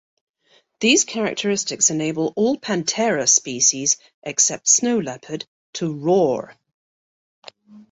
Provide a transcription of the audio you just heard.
These characteristics enable all "Panthera" species except snow leopard to roar.